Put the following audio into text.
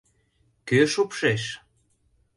— Кӧ шупшеш?